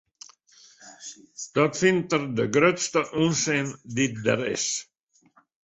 Dat fynt er de grutste ûnsin dy't der is.